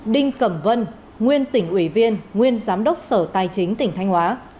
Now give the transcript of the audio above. đinh cẩm vân nguyên tỉnh ủy viên nguyên giám đốc sở tài chính tỉnh thanh hóa